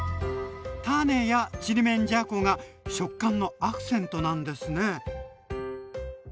種やちりめんじゃこが食感のアクセントなんですね。